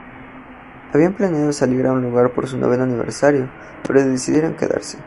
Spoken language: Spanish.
Habían planeado salir a un lugar por su noveno aniversario, pero decidieron quedarse.